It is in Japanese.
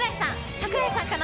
櫻井さんかな？